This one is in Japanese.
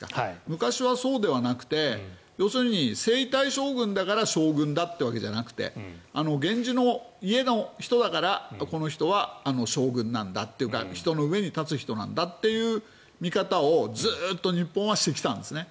昔はそうではなくて要するに、征夷大将軍だから将軍だというわけじゃなくて源氏の家の人だからこの人は将軍なんだというか人の上に立つ人なんだという見方をずっと日本はしてきたんですね。